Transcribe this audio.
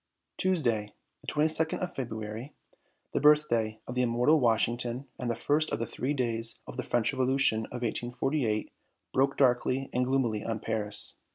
Tuesday, the 22nd of February, the birthday of the immortal Washington and the first of the Three Days of the French Revolution of 1848, broke darkly and gloomily on Paris.